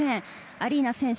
アリーナ選手